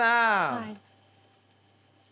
はい。